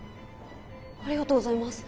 ありがとうございます。